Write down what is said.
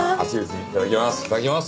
いただきます。